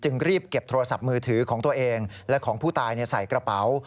รีบเก็บโทรศัพท์มือถือของตัวเองและของผู้ตายใส่กระเป๋า